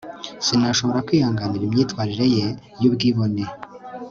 sinashoboraga kwihanganira imyitwarire ye y'ubwibone